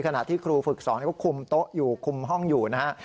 ขณะที่ครูฝึกสอนก็คุมโต๊ะอยู่คุมห้องอยู่นะฮะ